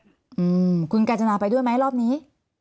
อืมคุณกาญจนาไปด้วยไหมรอบนี้